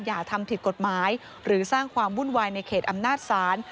อย่าทำผิดกฎหมายหรือสร้างความวุ่นวายในเขตอำนาจศาล